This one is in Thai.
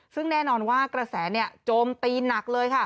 ซึ่งแน่นอนว่ากระแสโจมตีหนักเลยค่ะ